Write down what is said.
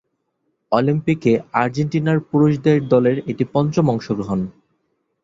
অলিম্পিকে আর্জেন্টিনার পুরুষদের দলের এটি পঞ্চম অংশগ্রহণ।